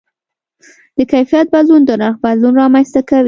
د کیفیت بدلون د نرخ بدلون رامنځته کوي.